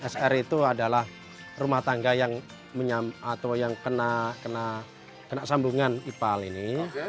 sr itu adalah rumah tangga yang kena sambungan ipal ini